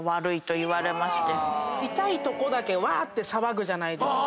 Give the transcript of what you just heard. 痛いとこだけわーって騒ぐじゃないですか。